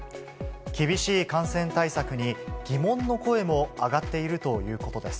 厳しい感染対策に疑問の声も上がっているということです。